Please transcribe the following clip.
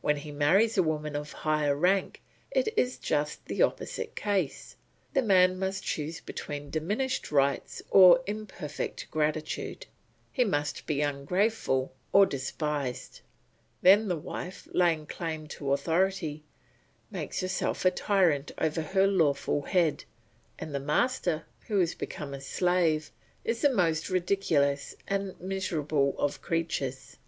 When he marries a woman of higher rank it is just the opposite case; the man must choose between diminished rights or imperfect gratitude; he must be ungrateful or despised. Then the wife, laying claim to authority, makes herself a tyrant over her lawful head; and the master, who has become a slave, is the most ridiculous and miserable of creatures.